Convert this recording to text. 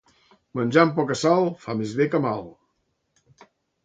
Menjar amb poca sal fa més bé que mal.